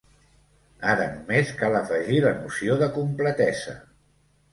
Ara només cal afegir la noció de completesa.